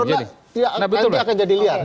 kalau enggak nanti akan jadi liar